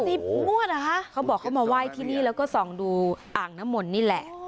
งวดเหรอคะเขาบอกเขามาไหว้ที่นี่แล้วก็ส่องดูอ่างน้ำมนต์นี่แหละ